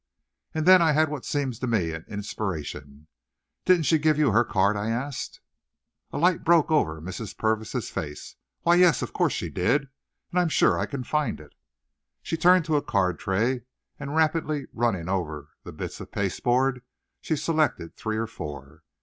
And then I had what seemed to me an inspiration. "Didn't she give you her card?" I asked. A light broke over Mrs. Purvis's face. "Why, yes, of course she did! And I'm sure I can find it." She turned to a card tray, and rapidly running over the bits of pasteboard, she selected three or four.